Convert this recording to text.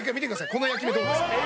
この焼き目どうですか？